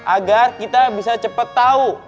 agar kita bisa cepet tau